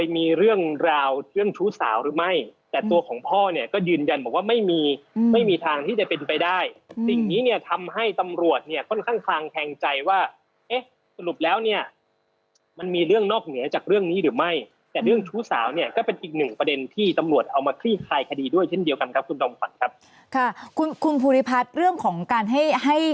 มีเรื่องราวเรื่องชู้สาวหรือไม่แต่ตัวของพ่อเนี่ยก็ยืนยันบอกว่าไม่มีไม่มีทางที่จะเป็นไปได้สิ่งนี้เนี่ยทำให้ตำรวจเนี่ยค่อนข้างคลางแคงใจว่าเอ๊ะสรุปแล้วเนี่ยมันมีเรื่องนอกเหนือจากเรื่องนี้หรือไม่แต่เรื่องชู้สาวเนี่ยก็เป็นอีกหนึ่งประเด็นที่ตำรวจเอามาคลี่คลายคดีด้วยเช่นเดียวกันครับคุณจอมขวัญครับค่ะคุณคุณภูริพัฒน์เรื่องของการให้ให้